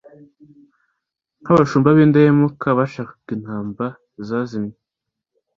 Nk’abashumba b’indahemuka bashakaga intama zazimiye,